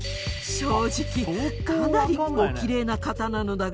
正直かなりおきれいな方なのだが。